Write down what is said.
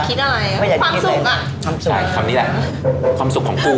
คำนี้แหละความสุขของกู